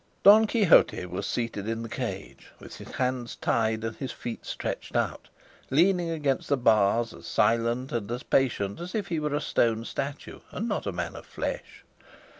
Don Quixote was seated in the cage, with his hands tied and his feet stretched out, leaning against the bars as silent and as patient as if he were a stone statue and not a man of flesh.